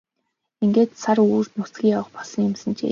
Ингээд сар үүрд нүцгэн явах болсон юмсанжээ.